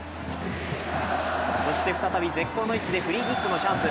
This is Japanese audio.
再び絶好の位置でフリーキックのチャンス。